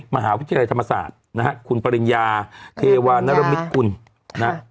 มหาวิทยาลัยธรรมศาสตร์นะฮะคุณปริญญาเทวานรมิตกุลนะฮะ